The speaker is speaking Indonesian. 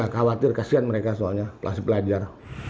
kawatir kesian mereka soalnya pelajar pelajar